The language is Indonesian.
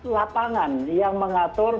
lapangan yang mengatur